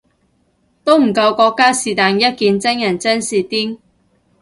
都唔夠國家是但一件真人真事癲